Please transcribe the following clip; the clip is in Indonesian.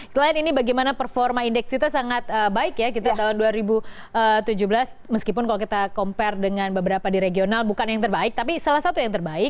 selain ini bagaimana performa indeks kita sangat baik ya kita tahun dua ribu tujuh belas meskipun kalau kita compare dengan beberapa di regional bukan yang terbaik tapi salah satu yang terbaik